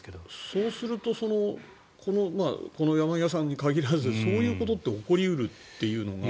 そうするとこの山際さんに限らずそういうことって起こり得るっていうのが。